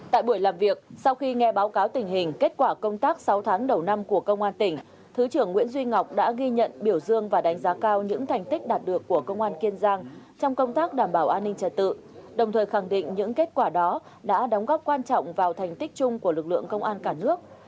tại buổi làm việc sau khi nghe báo cáo tình hình kết quả công tác sáu tháng đầu năm của công an tỉnh thứ trưởng nguyễn duy ngọc đã ghi nhận biểu dương và đánh giá cao những thành tích đạt được của công an kiên giang trong công tác đảm bảo an ninh trật tự đồng thời khẳng định những kết quả đó đã đóng góp quan trọng vào thành tích chung của lực lượng công an cả nước